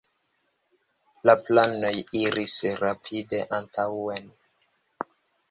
La planoj iris rapide antaŭen.